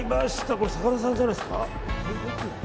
これ、魚屋さんじゃないですか？